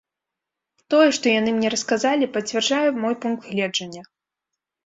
Тое, што яны мне расказалі, пацвярджае мой пункт гледжання.